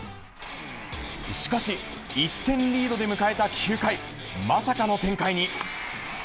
しかし、１点リードで迎えた９回、まさかの展開に。